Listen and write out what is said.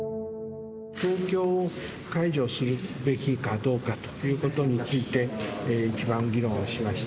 東京を解除するべきかどうかということについて、一番議論をしました。